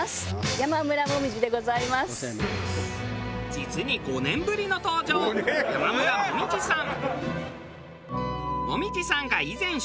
実に５年ぶりの登場山村紅葉さん。